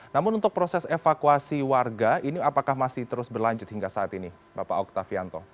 namun untuk proses evakuasi warga ini apakah masih terus berlanjut hingga saat ini bapak oktavianto